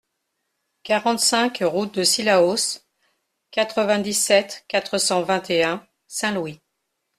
quarante-cinq route de Cilaos, quatre-vingt-dix-sept, quatre cent vingt et un, Saint-Louis